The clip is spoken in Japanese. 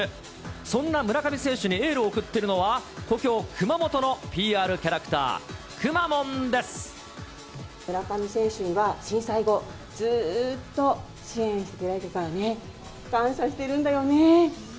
そんな村上選手にエールを送っているのは、故郷、熊本のＰＲキャ村上選手には震災後、ずーっと支援していただいたからね、感謝してるんだよね。